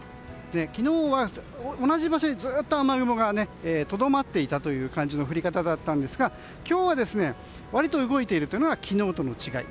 昨日は同じ場所にずっと雨雲がとどまっていたという感じの降り方だったんですが今日は割と動いているというのが昨日との違い。